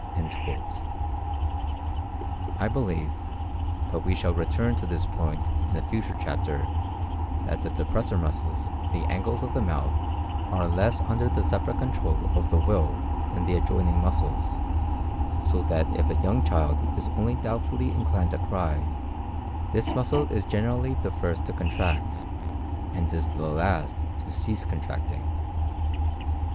I believe, but we shall return to this point in a future chapter, that the depressor muscles of the angles of the mouth are less under the separate control of the will than the adjoining muscles; so that if a young child is only doubtfully inclined to cry, this muscle is generally the first to contract, and is the last to cease contracting.